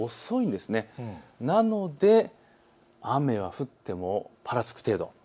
ですので雨が降ってもぱらつく程度。